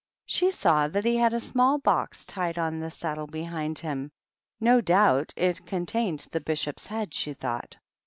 She saw that he had a small box tied on the saddle behind him ; no doubt it contained the Bishop's head, she thought.